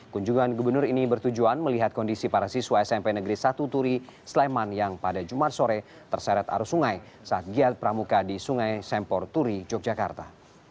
kunjungan gubernur ini bertujuan melihat kondisi para siswa smp negeri satu turi sleman yang pada jumat sore terseret arus sungai saat giat pramuka di sungai sempor turi yogyakarta